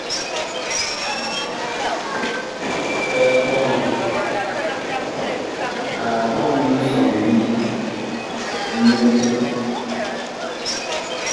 Eɓɔŋɛ a ɓɔŋ misɔŋgi misɛ.